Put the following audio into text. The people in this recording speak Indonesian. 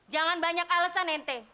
jangan banyak alasan ente